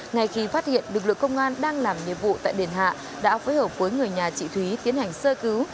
ngay khi phát hiện lực lượng công an đang làm nhiệm vụ tại đền hạ đã phối hợp với người nhà chị thúy tiến hành sơ cứu